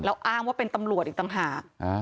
แล้วอ้างว่าเป็นตำรวจอีกต่างหาก